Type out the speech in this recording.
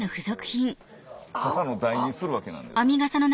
笠の台にするわけなんですよ。